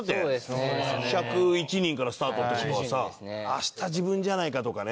明日自分じゃないかとかね。